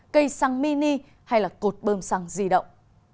cây xăng mini hay là cột bơm xăng di động